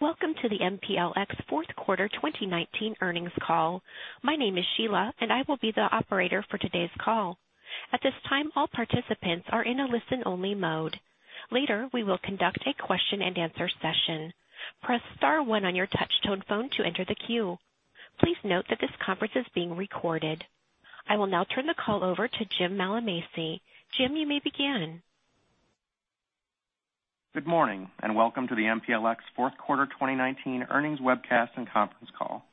Welcome to the MPLX fourth quarter 2019 earnings call. My name is Sheila, and I will be the operator for today's call. At this time, all participants are in a listen-only mode. Later, we will conduct a question and answer session. Press star one on your touch-tone phone to enter the queue. Please note that this conference is being recorded. I will now turn the call over to Jim Mallamaci. Jim, you may begin. Good morning, and Welcome to the MPLX fourth quarter 2019 earnings webcast and conference call.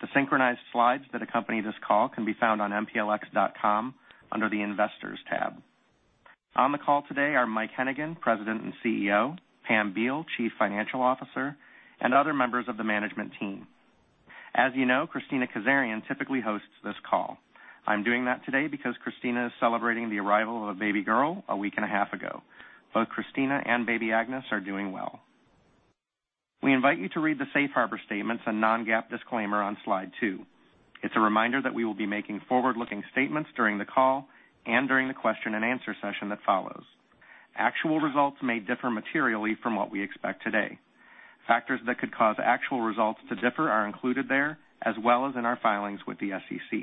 The synchronized slides that accompany this call can be found on mplx.com under the Investors tab. On the call today are Mike Hennigan, President and CEO, Pam Beall, Chief Financial Officer, and other members of the management team. As you know, Kristina Kazarian typically hosts this call. I'm doing that today because Kristina is celebrating the arrival of a baby girl a week and a half ago. Both Kristina and baby Agnes are doing well. We invite you to read the safe harbor statements and non-GAAP disclaimer on slide two. It's a reminder that we will be making forward-looking statements during the call and during the question and answer session that follows. Actual results may differ materially from what we expect today. Factors that could cause actual results to differ are included there, as well as in our filings with the SEC.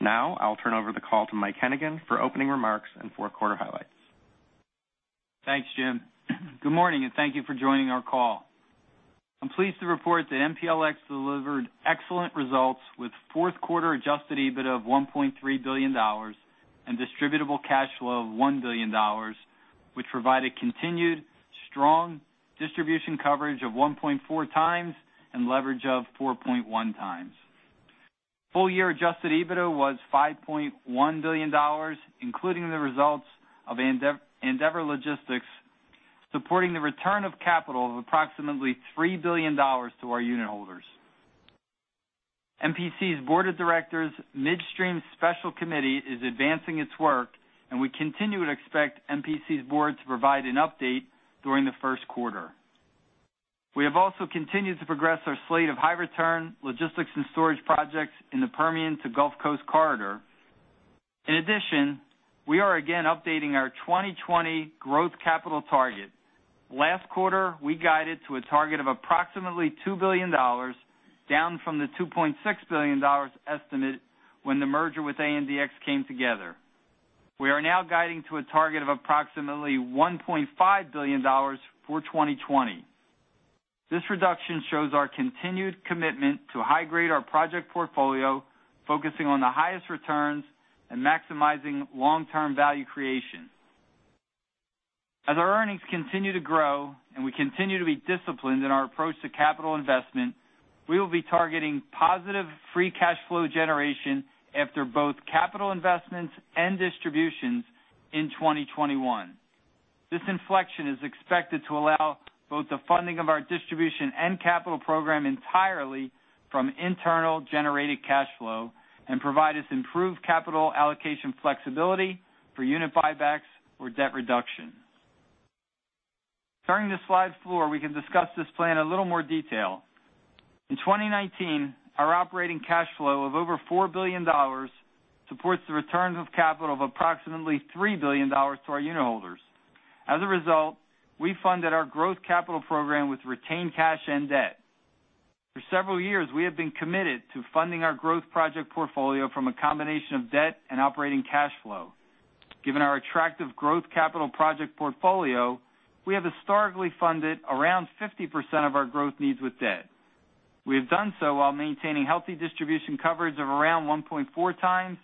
Now, I'll turn over the call to Mike Hennigan for opening remarks and fourth quarter highlights. Thanks, Jim. Good morning, and thank you for joining our call. I'm pleased to report that MPLX delivered excellent results with fourth quarter adjusted EBITDA of $1.3 billion and distributable cash flow of $1 billion, which provided continued strong distribution coverage of 1.4x and leverage of 4.1x. Full year adjusted EBITDA was $5.1 billion including the results of Andeavor Logistics, supporting the return of capital of approximately $3 billion to our unitholders. MPC's Board of Directors Midstream Special Committee is advancing its work. We continue to expect MPC's board to provide an update during the first quarter. We have also continued to progress our slate of high return logistics and storage projects in the Permian to Gulf Coast corridor. In addition, we are again updating our 2020 growth capital target. Last quarter, we guided to a target of approximately $2 billion, down from the $2.6 billion estimate when the merger with ANDX came together. We are now guiding to a target of approximately $1.5 billion for 2020. This reduction shows our continued commitment to high-grade our project portfolio, focusing on the highest returns and maximizing long-term value creation. As our earnings continue to grow and we continue to be disciplined in our approach to capital investment, we will be targeting positive free cash flow generation after both capital investments and distributions in 2021. This inflection is expected to allow both the funding of our distribution and capital program entirely from internal-generated cash flow and provide us improved capital allocation flexibility for unit buybacks or debt reduction. Turning to slide four, we can discuss this plan in a little more detail. In 2019, our operating cash flow of over $4 billion supports the returns of capital of approximately $3 billion to our unitholders. As a result, we funded our growth capital program with retained cash and debt. For several years, we have been committed to funding our growth project portfolio from a combination of debt and operating cash flow. Given our attractive growth capital project portfolio, we have historically funded around 50% of our growth needs with debt. We have done so while maintaining healthy distribution coverage of around 1.4x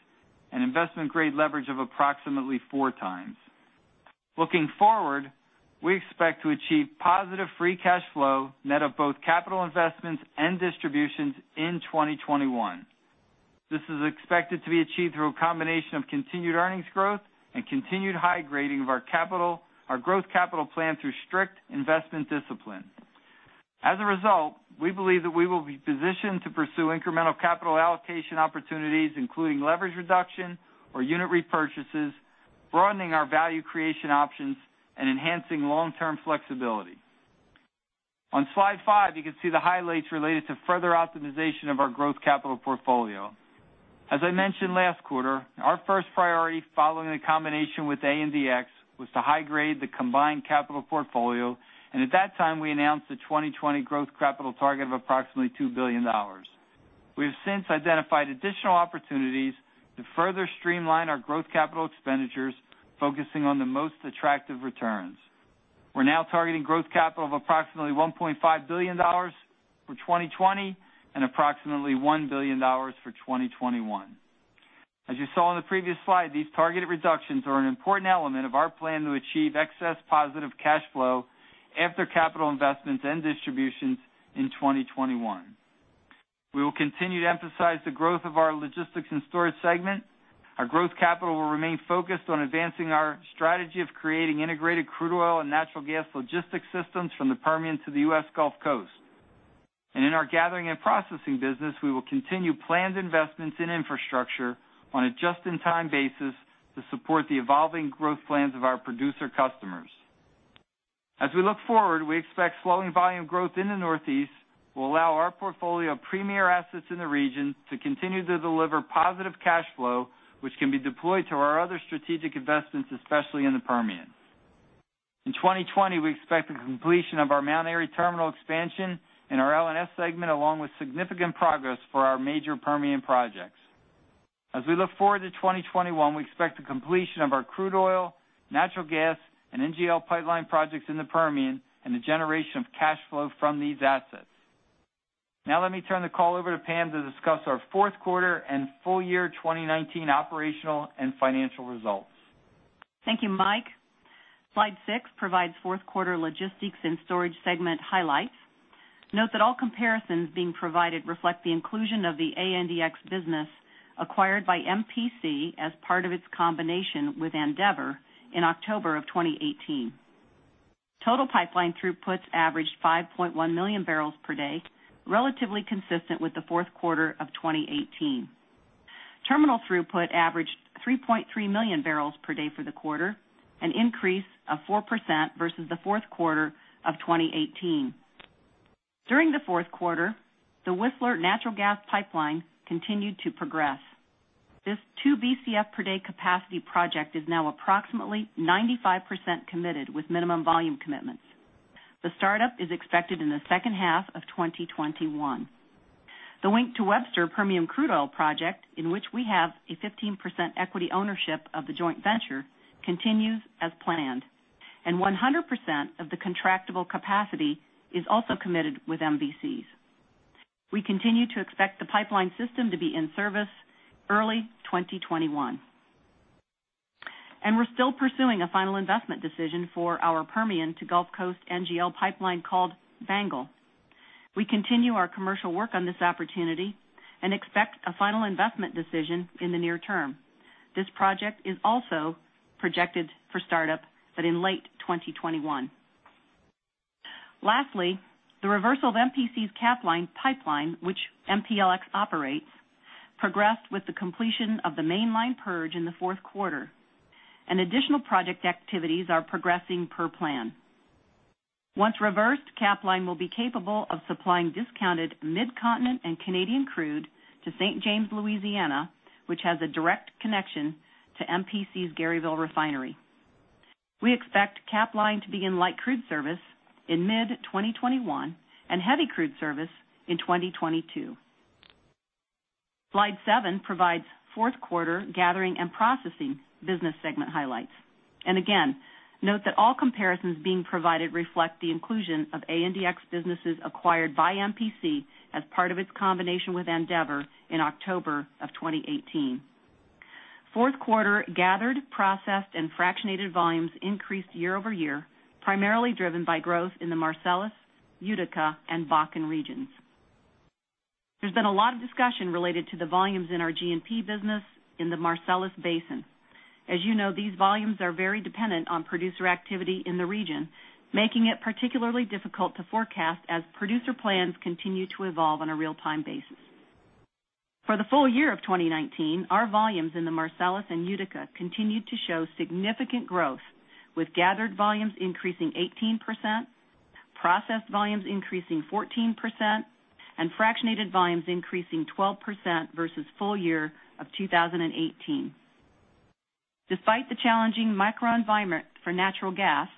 and investment-grade leverage of approximately 4x. Looking forward, we expect to achieve positive free cash flow net of both capital investments and distributions in 2021. This is expected to be achieved through a combination of continued earnings growth and continued high grading of our growth capital plan through strict investment discipline. As a result, we believe that we will be positioned to pursue incremental capital allocation opportunities, including leverage reduction or unit repurchases, broadening our value creation options and enhancing long-term flexibility. On slide five, you can see the highlights related to further optimization of our growth capital portfolio. As I mentioned last quarter, our first priority following the combination with ANDX was to high grade the combined capital portfolio. At that time, we announced the 2020 growth capital target of approximately $2 billion. We have since identified additional opportunities to further streamline our growth capital expenditures, focusing on the most attractive returns. We're now targeting growth capital of approximately $1.5 billion for 2020 and approximately $1 billion for 2021. As you saw on the previous slide, these targeted reductions are an important element of our plan to achieve excess positive cash flow after capital investments and distributions in 2021. We will continue to emphasize the growth of our logistics and storage segment. Our growth capital will remain focused on advancing our strategy of creating integrated crude oil and natural gas logistics systems from the Permian to the U.S. Gulf Coast. In our gathering and processing business, we will continue planned investments in infrastructure on a just-in-time basis to support the evolving growth plans of our producer customers. As we look forward, we expect slowing volume growth in the Northeast will allow our portfolio of premier assets in the region to continue to deliver positive cash flow, which can be deployed to our other strategic investments, especially in the Permian. In 2020, we expect the completion of our Mt. Airy terminal expansion in our LNS segment, along with significant progress for our major Permian projects. As we look forward to 2021, we expect the completion of our crude oil, natural gas, and NGL pipeline projects in the Permian and the generation of cash flow from these assets. Now let me turn the call over to Pam to discuss our fourth quarter and full year 2019 operational and financial results. Thank you, Mike. Slide six provides fourth quarter logistics and storage segment highlights. Note that all comparisons being provided reflect the inclusion of the ANDX business acquired by MPC as part of its combination with Andeavor in October of 2018. Total pipeline throughputs averaged 5.1 million barrels per day, relatively consistent with the fourth quarter of 2018. Terminal throughput averaged 3.3 million barrels per day for the quarter, an increase of 4% versus the fourth quarter of 2018. During the fourth quarter, the Whistler natural gas pipeline continued to progress. This two BCF per day capacity project is now approximately 95% committed with minimum volume commitments. The startup is expected in the second half of 2021. The Wink to Webster premium crude oil project, in which we have a 15% equity ownership of the joint venture, continues as planned, and 100% of the contractable capacity is also committed with MVCs. We continue to expect the pipeline system to be in service early 2021. We're still pursuing a final investment decision for our Permian to Gulf Coast NGL pipeline, called BANGL. We continue our commercial work on this opportunity and expect a final investment decision in the near term. This project is also projected for startup, but in late 2021. Lastly, the reversal of MPC's Capline pipeline, which MPLX operates, progressed with the completion of the mainline purge in the fourth quarter, and additional project activities are progressing per plan. Once reversed, Capline will be capable of supplying discounted mid-continent and Canadian crude to St. James, Louisiana, which has a direct connection to MPC's Garyville Refinery. We expect Capline to be in light crude service in mid 2021 and heavy crude service in 2022. Slide seven provides fourth quarter gathering and processing business segment highlights. Again, note that all comparisons being provided reflect the inclusion of ANDX businesses acquired by MPC as part of its combination with Andeavor in October of 2018. Fourth quarter gathered, processed, and fractionated volumes increased year-over-year, primarily driven by growth in the Marcellus, Utica, and Bakken regions. There's been a lot of discussion related to the volumes in our G&P business in the Marcellus Basin. As you know, these volumes are very dependent on producer activity in the region, making it particularly difficult to forecast as producer plans continue to evolve on a real-time basis. For the full year of 2019, our volumes in the Marcellus and Utica continued to show significant growth, with gathered volumes increasing 18%, processed volumes increasing 14%, and fractionated volumes increasing 12% versus full year of 2018. Despite the challenging microenvironment for natural gas,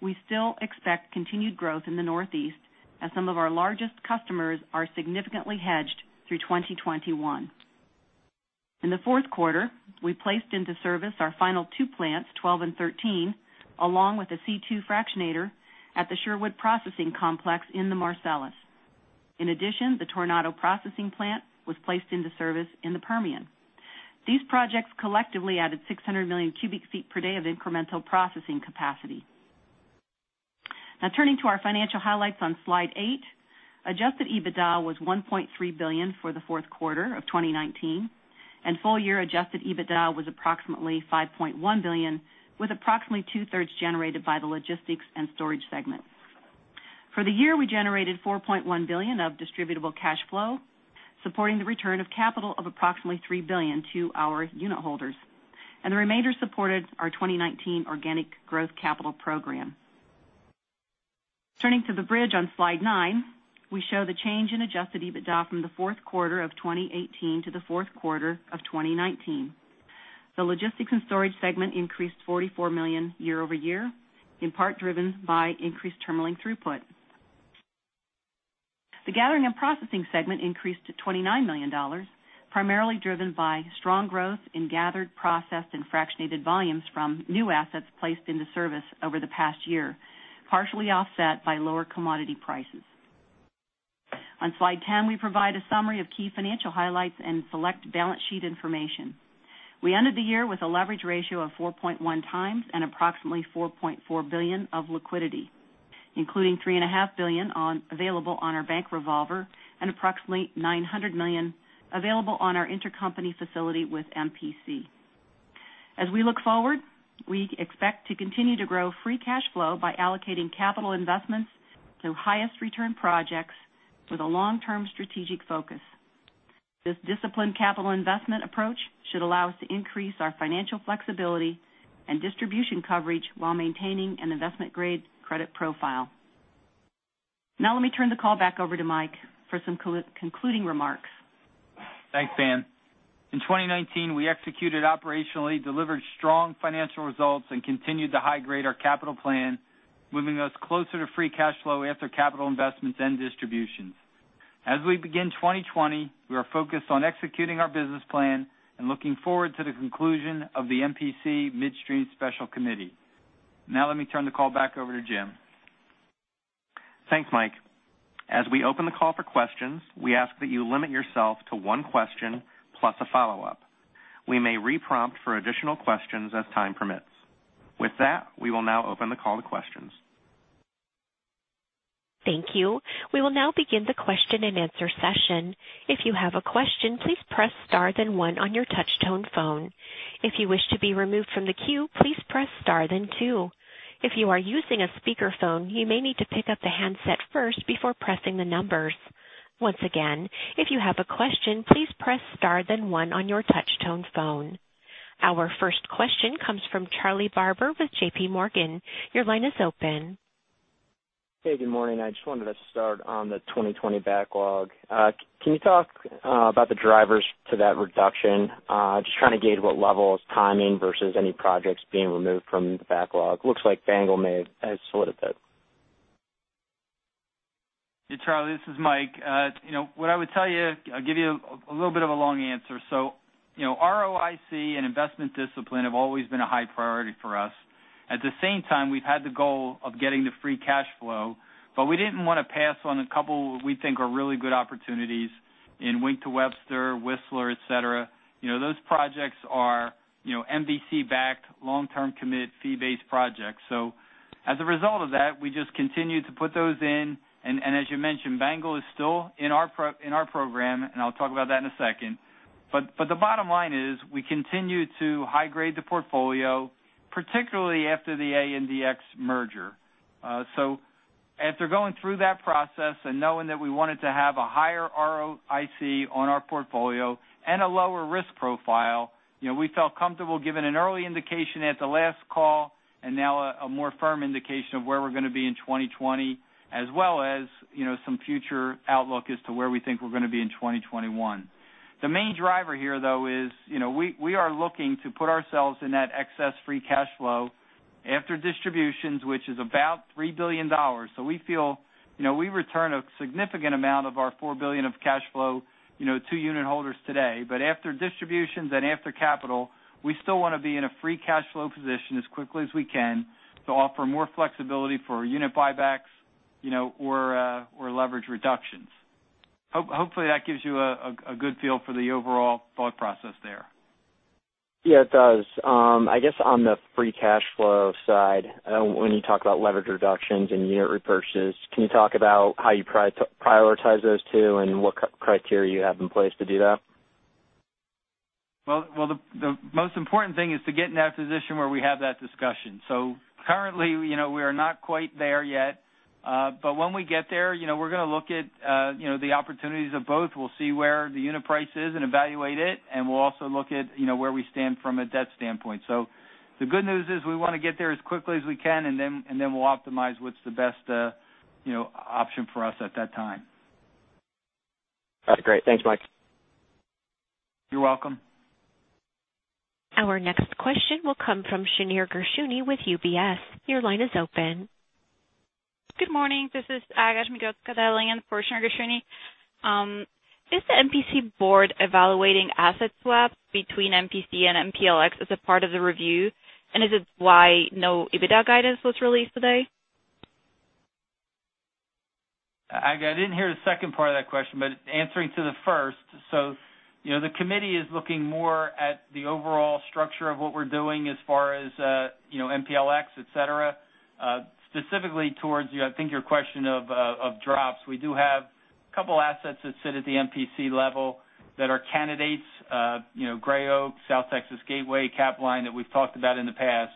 we still expect continued growth in the Northeast as some of our largest customers are significantly hedged through 2021. In the fourth quarter, we placed into service our final two plants, 12 and 13, along with a C2 fractionator at the Sherwood Processing Complex in the Marcellus. In addition, the Tornillo processing plant was placed into service in the Permian. These projects collectively added 600 million cubic feet per day of incremental processing capacity. Now turning to our financial highlights on slide eight. Adjusted EBITDA was $1.3 billion for the fourth quarter of 2019, Full year Adjusted EBITDA was approximately $5.1 billion, with approximately two-thirds generated by the Logistics and Storage segment. For the year, we generated $4.1 billion of distributable cash flow, supporting the return of capital of approximately $3 billion to our unit holders. The remainder supported our 2019 organic growth capital program. Turning to the bridge on slide nine, we show the change in Adjusted EBITDA from the fourth quarter of 2018 to the fourth quarter of 2019. The Logistics and Storage segment increased $44 million year-over-year, in part driven by increased terminalling throughput. The Gathering and Processing segment increased to $29 million, primarily driven by strong growth in gathered, processed, and fractionated volumes from new assets placed into service over the past year, partially offset by lower commodity prices. On slide 10, we provide a summary of key financial highlights and select balance sheet information. We ended the year with a leverage ratio of 4.1x and approximately $4.4 billion of liquidity, including $3.5 billion available on our bank revolver and approximately $900 million available on our intercompany facility with MPC. As we look forward, we expect to continue to grow free cash flow by allocating capital investments to highest return projects with a long-term strategic focus. This disciplined capital investment approach should allow us to increase our financial flexibility and distribution coverage while maintaining an investment-grade credit profile. Let me turn the call back over to Mike for some concluding remarks. Thanks, Pam. In 2019, we executed operationally, delivered strong financial results, and continued to high-grade our capital plan, moving us closer to free cash flow after capital investments and distributions. As we begin 2020, we are focused on executing our business plan and looking forward to the conclusion of the MPC Midstream Special Committee. Now let me turn the call back over to Jim. Thanks, Mike. As we open the call for questions, we ask that you limit yourself to one question plus a follow-up. We may re-prompt for additional questions as time permits. With that, we will now open the call to questions. Thank you. We will now begin the question-and-answer session. Our 1st question comes from Charlie Barber with JPMorgan. Your line is open. Hey, good morning. I just wanted to start on the 2020 backlog. Can you talk about the drivers to that reduction? Just trying to gauge what level is timing versus any projects being removed from the backlog. Looks like BANGL may have solidified. Hey, Charlie, this is Mike. What I would tell you, I'll give you a little bit of a long answer. ROIC and investment discipline have always been a high priority for us. At the same time, we've had the goal of getting to free cash flow, but we didn't want to pass on a couple we think are really good opportunities in Wink to Webster, Whistler, et cetera. Those projects are MPC-backed, long-term commit, fee-based projects. As a result of that, we just continue to put those in, and as you mentioned, BANGL is still in our program, and I'll talk about that in a second. The bottom line is we continue to high-grade the portfolio, particularly after the ANDX merger. After going through that process and knowing that we wanted to have a higher ROIC on our portfolio and a lower risk profile, we felt comfortable giving an early indication at the last call and now a more firm indication of where we're going to be in 2020, as well as some future outlook as to where we think we're going to be in 2021. The main driver here, though, is we are looking to put ourselves in that excess free cash flow after distributions, which is about $3 billion. We feel we return a significant amount of our $4 billion of cash flow to unit holders today. After distributions and after capital, we still want to be in a free cash flow position as quickly as we can to offer more flexibility for unit buybacks or leverage reductions. Hopefully, that gives you a good feel for the overall thought process there. Yeah, it does. I guess on the free cash flow side, when you talk about leverage reductions and unit repurchases, can you talk about how you prioritize those two and what criteria you have in place to do that? The most important thing is to get in that position where we have that discussion. Currently, we are not quite there yet. When we get there, we're going to look at the opportunities of both. We'll see where the unit price is and evaluate it, and we'll also look at where we stand from a debt standpoint. The good news is we want to get there as quickly as we can, and then we'll optimize what's the best option for us at that time. All right, great. Thanks, Mike. You're welcome. Our next question will come from Shneur Gershuni with UBS. Your line is open. Good morning. This is Aga Zmigrodzka for Shneur Gershuni. Is the MPC board evaluating asset swap between MPC and MPLX as a part of the review? Is it why no EBITDA guidance was released today? Aga, I didn't hear the second part of that question, but answering to the first. The committee is looking more at the overall structure of what we're doing as far as MPLX, et cetera. Specifically towards, I think, your question of drops. We do have a couple assets that sit at the MPC level that are candidates, Gray Oak, South Texas Gateway, Capline, that we've talked about in the past.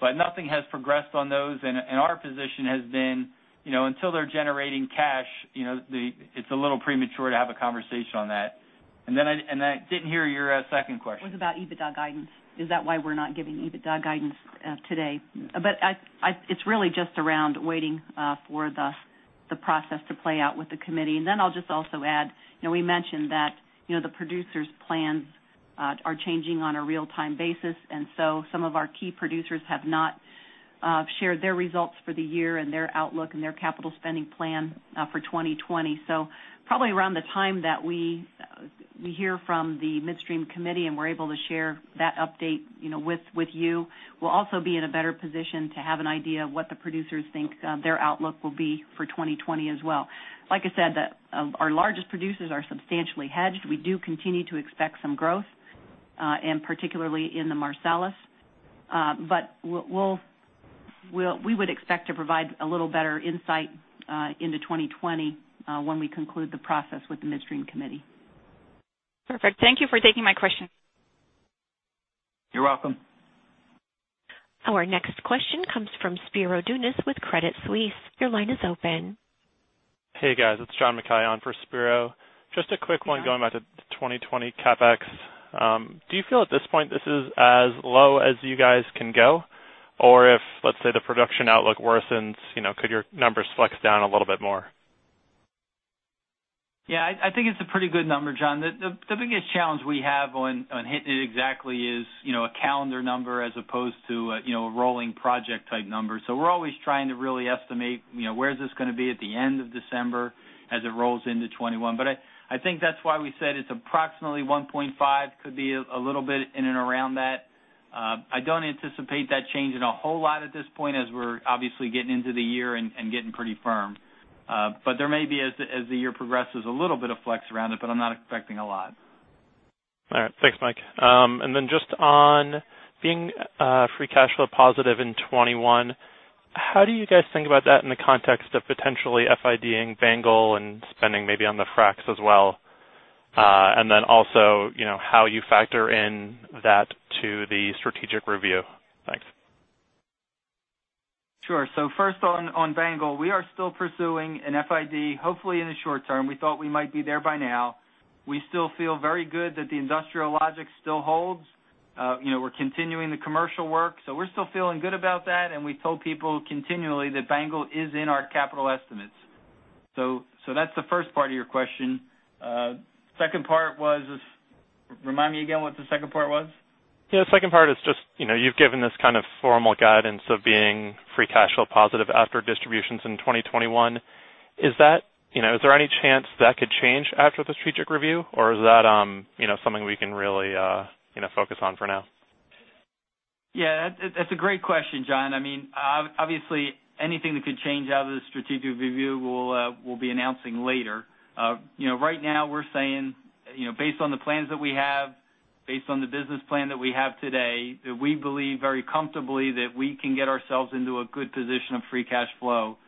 Nothing has progressed on those, and our position has been until they're generating cash, it's a little premature to have a conversation on that. I didn't hear your second question. It was about EBITDA guidance. Is that why we're not giving EBITDA guidance today? It's really just around waiting for the process to play out with the committee. I'll just also add, we mentioned that the producers' plans are changing on a real-time basis, and so some of our key producers have not shared their results for the year and their outlook and their capital spending plan for 2020. Probably around the time that we hear from the midstream committee and we're able to share that update with you, we'll also be in a better position to have an idea of what the producers think their outlook will be for 2020 as well. Like I said, our largest producers are substantially hedged. We do continue to expect some growth, and particularly in the Marcellus. We would expect to provide a little better insight into 2020 when we conclude the process with the midstream committee. Perfect. Thank you for taking my question. You're welcome. Our next question comes from Spero Dounis with Credit Suisse. Your line is open. Hey, guys. It's John Mackay for Spero. Just a quick one going back to 2020 CapEx. Do you feel at this point this is as low as you guys can go? If, let's say, the production outlook worsens, could your numbers flex down a little bit more? Yeah, I think it's a pretty good number, John. The biggest challenge we have on hitting it exactly is a calendar number as opposed to a rolling project-type number. We're always trying to really estimate where is this going to be at the end of December as it rolls into 2021. I think that's why we said it's approximately 1.5%, could be a little bit in and around that. I don't anticipate that changing a whole lot at this point as we're obviously getting into the year and getting pretty firm. There may be, as the year progresses, a little bit of flex around it, but I'm not expecting a lot. All right. Thanks, Mike. Just on being free cash flow positive in 2021, how do you guys think about that in the context of potentially FID-ing BANGL and spending maybe on the fracs as well? Also, how you factor in that to the strategic review? Thanks. Sure. 1st on BANGL, we are still pursuing an FID, hopefully in the short term. We thought we might be there by now. We still feel very good that the industrial logic still holds. We're continuing the commercial work, so we're still feeling good about that, and we've told people continually that BANGL is in our capital estimates. That's the first part of your question. Second part was. Remind me again what the second part was? Yeah, the 2nd part is just, you've given this kind of formal guidance of being free cash flow positive after distributions in 2021. Is there any chance that could change after the strategic review, or is that something we can really focus on for now? Yeah, that's a great question, John. Obviously, anything that could change out of the strategic review, we'll be announcing later. Right now, we're saying based on the plans that we have, based on the business plan that we have today, that we believe very comfortably that we can get ourselves into a good position of free cash flow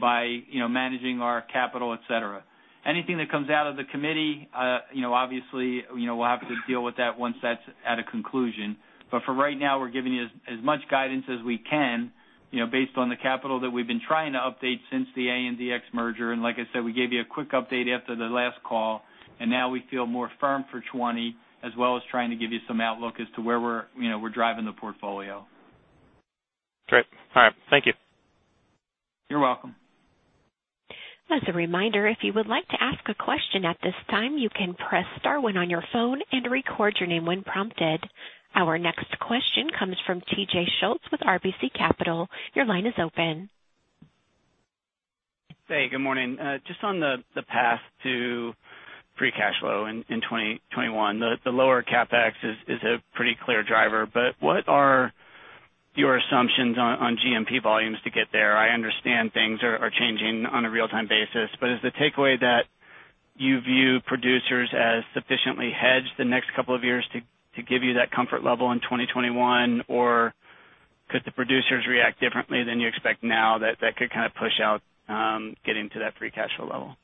by managing our capital, et cetera. Anything that comes out of the committee obviously, we'll have to deal with that once that's at a conclusion. For right now, we're giving you as much guidance as we can based on the capital that we've been trying to update since the ANDX merger. Like I said, we gave you a quick update after the last call, and now we feel more firm for 2020, as well as trying to give you some outlook as to where we're driving the portfolio. Great. All right. Thank you. You're welcome. Our next question comes from TJ Schultz with RBC Capital. Your line is open. Hey, good morning. Just on the path to free cash flow in 2021, the lower CapEx is a pretty clear driver, but what are your assumptions on GMP volumes to get there? I understand things are changing on a real-time basis, but is the takeaway that you view producers as sufficiently hedged the next couple of years to give you that comfort level in 2021? Could the producers react differently than you expect now that could kind of push out getting to that free cash flow level?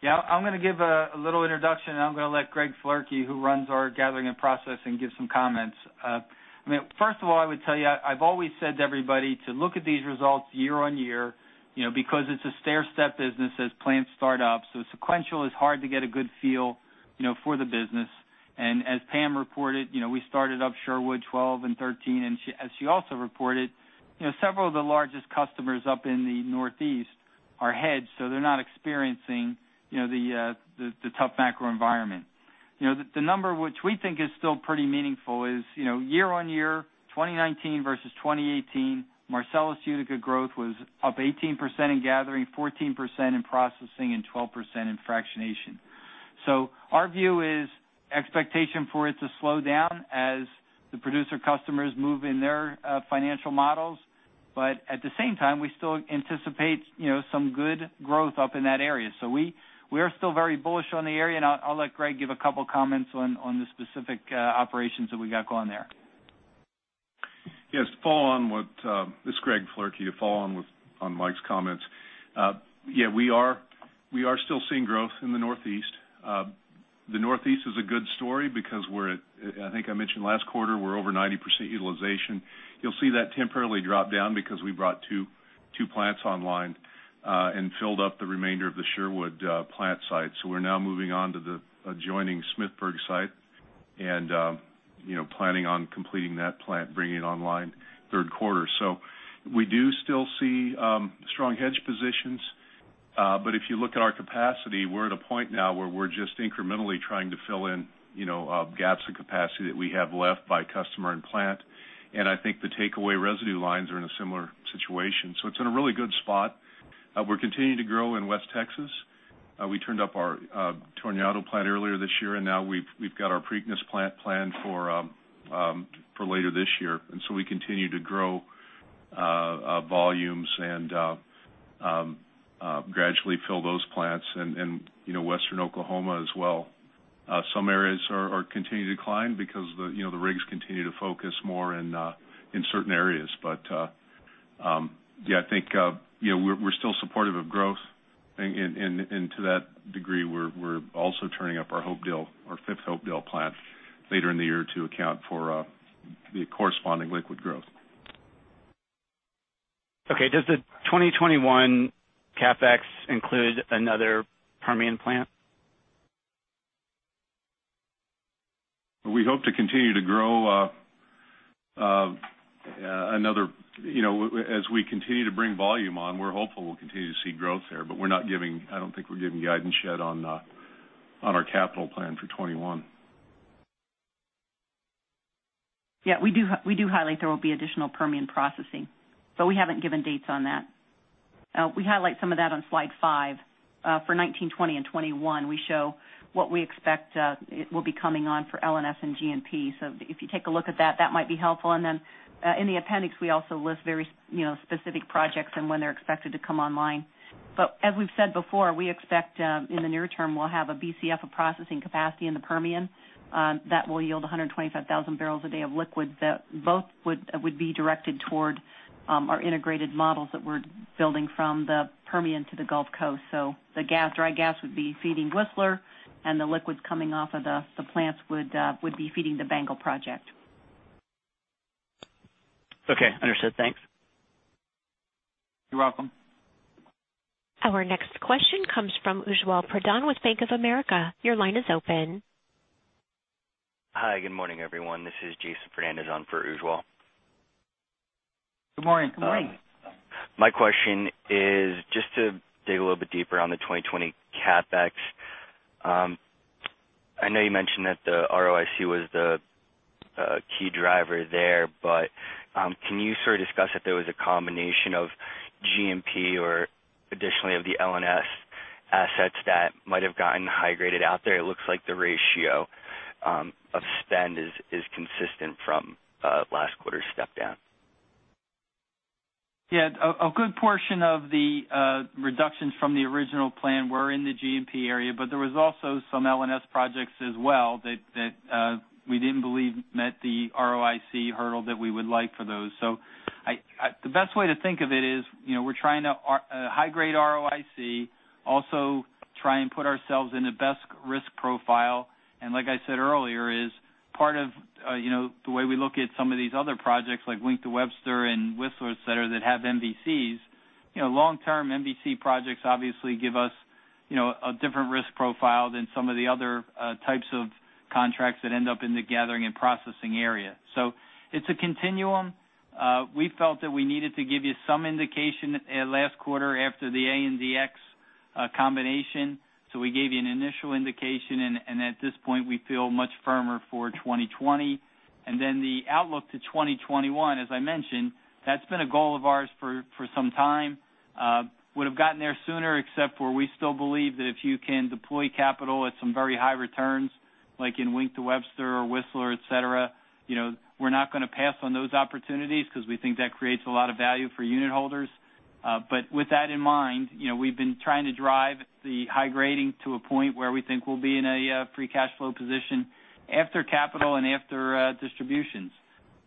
Yeah, I'm going to give a little introduction, and I'm going to let Greg Floerke, who runs our gathering and processing, give some comments. 1st of all, I would tell you, I've always said to everybody to look at these results year-on-year, because it's a stairstep business as plants start up. Sequential is hard to get a good feel for the business. As Pam reported, we started up Sherwood 12 and 13, and as she also reported, several of the largest customers up in the Northeast are hedged, so they're not experiencing the tough macro environment. The number which we think is still pretty meaningful is year-on-year, 2019 versus 2018, Marcellus Utica growth was up 18% in gathering, 14% in processing, and 12% in fractionation. Our view is expectation for it to slow down as the producer customers move in their financial models. At the same time, we still anticipate some good growth up in that area. we are still very bullish on the area, and I'll let Greg give a couple comments on the specific operations that we got going there. Yes. This is Greg Floerke. To follow on with Mike's comments. Yeah, we are still seeing growth in the Northeast. The Northeast is a good story because we're at. I think I mentioned last quarter, we're over 90% utilization. You'll see that temporarily drop down because we brought two plants online and filled up the remainder of the Sherwood plant site. We're now moving on to the adjoining Smithsburg site and planning on completing that plant, bringing it online third quarter. We do still see strong hedge positions. If you look at our capacity, we're at a point now where we're just incrementally trying to fill in gaps in capacity that we have left by customer and plant. I think the takeaway residue lines are in a similar situation. It's in a really good spot. We're continuing to grow in West Texas. We turned up our Tornillo plant earlier this year, and now we've got our Preakness plant planned for later this year. We continue to grow volumes and gradually fill those plants in Western Oklahoma as well. Some areas are continuing to decline because the rigs continue to focus more in certain areas. Yeah, I think we're still supportive of growth. To that degree, we're also turning up our fifth Hopedale plant later in the year to account for the corresponding liquid growth. Okay. Does the 2021 CapEx include another Permian plant? We hope to continue to grow. As we continue to bring volume on, we're hopeful we'll continue to see growth there, but I don't think we're giving guidance yet on our capital plan for 2021. Yeah, we do highlight there will be additional Permian processing, but we haven't given dates on that. We highlight some of that on slide five. For 2019, 2020, and 2021, we show what we expect will be coming on for LNS and G&P. if you take a look at that might be helpful. then in the appendix, we also list very specific projects and when they're expected to come online. as we've said before, we expect in the near term we'll have a BCF of processing capacity in the Permian that will yield 125,000 barrels a day of liquids that both would be directed toward our integrated models that we're building from the Permian to the Gulf Coast. the dry gas would be feeding Whistler, and the liquids coming off of the plants would be feeding the BANGL project. Okay, understood. Thanks. You're welcome. Our next question comes from Ujjwal Pradhan with Bank of America. Your line is open. Hi. Good morning, everyone. This is Jason Fernandez on for Ujjwal. Good morning. Good morning. My question is just to dig a little bit deeper on the 2020 CapEx. I know you mentioned that the ROIC was the key driver there, but can you sort of discuss if there was a combination of G&P or additionally of the LNS assets that might have gotten high-graded out there? It looks like the ratio of spend is consistent from last quarter's step-down. Yeah. A good portion of the reductions from the original plan were in the G&P area, but there was also some LNS projects as well that we didn't believe met the ROIC hurdle that we would like for those. The best way to think of it is we're trying to high-grade ROIC, also try and put ourselves in the best risk profile. like I said earlier, is part of the way we look at some of these other projects, like Wink to Webster and Whistler, et cetera, that have MVCs. Long-term MVCs projects obviously give us a different risk profile than some of the other types of contracts that end up in the gathering and processing area. It's a continuum. We felt that we needed to give you some indication last quarter after the ANDX combination. We gave you an initial indication, and at this point, we feel much firmer for 2020. the outlook to 2021, as I mentioned, that's been a goal of ours for some time. Would've gotten there sooner, except for we still believe that if you can deploy capital at some very high returns, like in Wink to Webster or Whistler, et cetera, we're not going to pass on those opportunities because we think that creates a lot of value for unitholders. with that in mind, we've been trying to drive the high grading to a point where we think we'll be in a free cash flow position after capital and after distributions.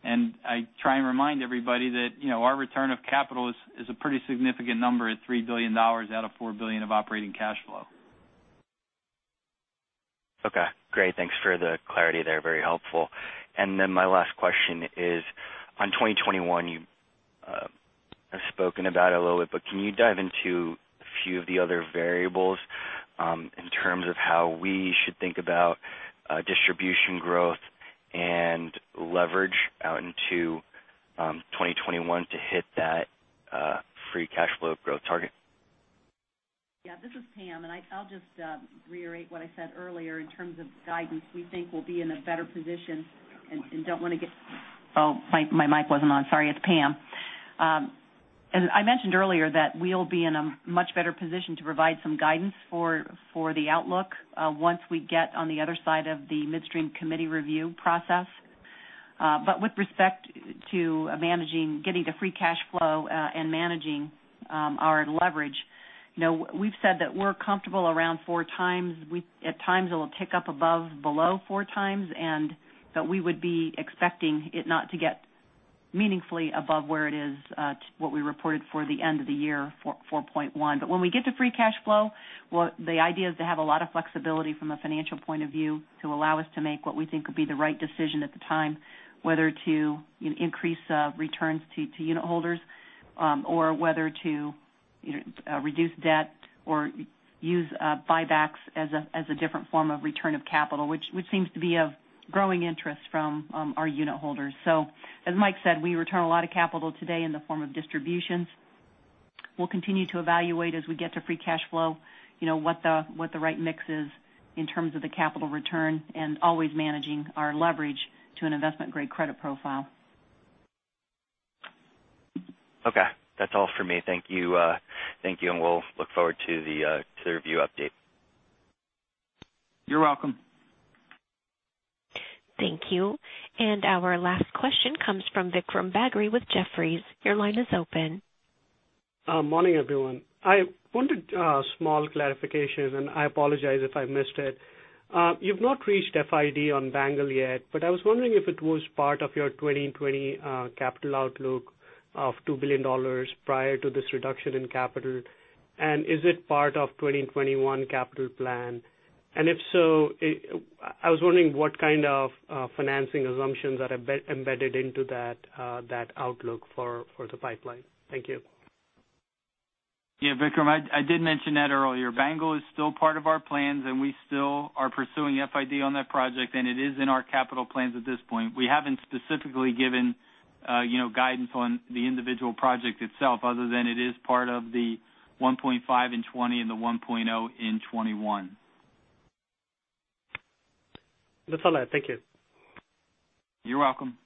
I try and remind everybody that our return of capital is a pretty significant number at $3 billion out of $4 billion of operating cash flow. Okay, great. Thanks for the clarity there. Very helpful. My last question is on 2021. You have spoken about it a little bit, but can you dive into a few of the other variables in terms of how we should think about distribution growth and leverage out into 2021 to hit that free cash flow growth target? Yeah, this is Pam, and I'll just reiterate what I said earlier in terms of guidance. We think we'll be in a better position. It's Pam. As I mentioned earlier, that we'll be in a much better position to provide some guidance for the outlook once we get on the other side of the midstream committee review process. With respect to getting to free cash flow and managing our leverage, we've said that we're comfortable around four times. At times, it will tick up above, below 4x, and that we would be expecting it not to get meaningfully above where it is to what we reported for the end of the year for 4.1%. when we get to free cash flow, the idea is to have a lot of flexibility from a financial point of view to allow us to make what we think would be the right decision at the time, whether to increase returns to unitholders or whether to reduce debt or use buybacks as a different form of return of capital, which seems to be of growing interest from our unitholders. As Mike said, we return a lot of capital today in the form of distributions. We'll continue to evaluate as we get to free cash flow, what the right mix is in terms of the capital return, and always managing our leverage to an investment-grade credit profile. Okay. That's all for me. Thank you. We'll look forward to the review update. You're welcome. Thank you. Our last question comes from Vikram Bagri with Jefferies. Your line is open. Morning, everyone. I wanted a small clarification, and I apologize if I missed it. You've not reached FID on BANGL yet, but I was wondering if it was part of your 2020 capital outlook of $2 billion prior to this reduction in capital, and is it part of 2021 capital plan? If so, I was wondering what kind of financing assumptions are embedded into that outlook for the pipeline. Thank you. Yeah, Vikram, I did mention that earlier. BANGL is still part of our plans, and we still are pursuing FID on that project, and it is in our capital plans at this point. We haven't specifically given guidance on the individual project itself other than it is part of the $1.5 billion in 2020 and the 1.0% in 2021. That's all. Thank you. You're welcome.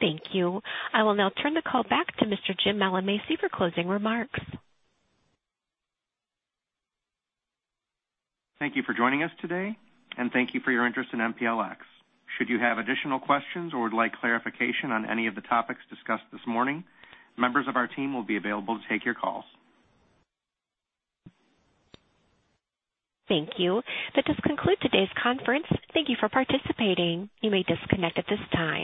Thank you. I will now turn the call back to Mr. Jim Mallamaci for closing remarks. Thank you for joining us today, and thank you for your interest in MPLX. Should you have additional questions or would like clarification on any of the topics discussed this morning, members of our team will be available to take your calls. Thank you. That does conclude today's conference. Thank you for participating. You may disconnect at this time.